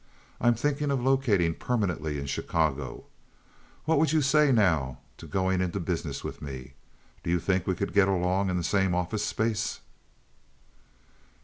I'm thinking of locating permanently in Chicago. What would you say now to going into business with me? Do you think we could get along in the same office space?"